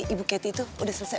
nah oke udah pas